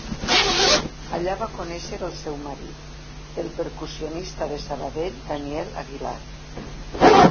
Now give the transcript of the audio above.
Allà va conèixer el seu marit, el percussionista de Sabadell Daniel Aguilar.